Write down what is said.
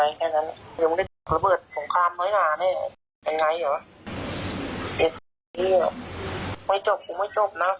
อย่าเปิดการจะให้ระแวนมาว่ากลุก